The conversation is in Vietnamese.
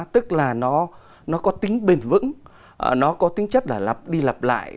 tức là nó có tính bền vững nó có tính chất là lặp đi lặp lại